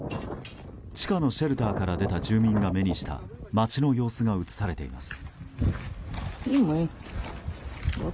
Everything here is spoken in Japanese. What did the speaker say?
地下のシェルターから出た住民が目にした街の様子が映されています。